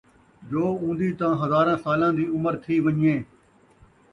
جو اُوندی تاں ہزاراں سالاں دِی عُمر تِھی وَن٘ڄے،